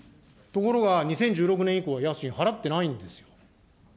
ところが２０１６年以降、家賃払ってないんですよ。